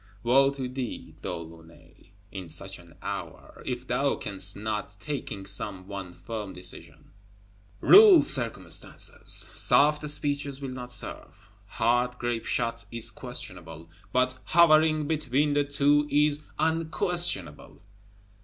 Wo to thee, De Launay, in such an hour, if thou canst not, taking some one firm decision, rule circumstances! Soft speeches will not serve, hard grape shot is questionable, but hovering between the two is _un_questionable.